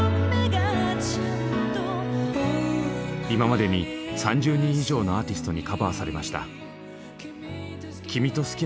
今までに３０人以上のアーティストにカバーされました。